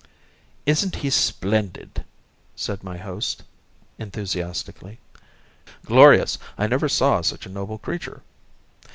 "Isn't he splendid?" said my host, enthusiastically. "Glorious! I never saw such a noble creature."